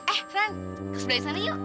eh ren kesempatan sana yuk